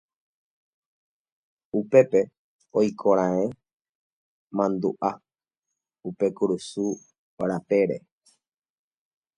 Upépe oikoraẽ mandu'a upe kurusu rapére